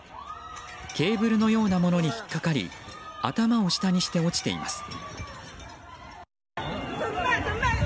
ケーブルのようなものに引っかかり頭を下にして落ちています。